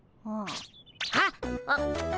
あっ。